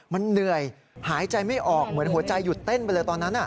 มันเหนื่อยหายใจไม่ออกเหมือนหัวใจหยุดเต้นไปเลยตอนนั้น